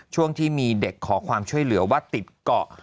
ช่วงที่มีเด็กขอความช่วยเหลือว่าติดเกาะ